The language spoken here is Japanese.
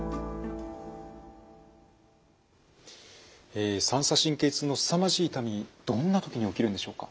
え三叉神経痛のすさまじい痛みどんな時に起きるんでしょうか？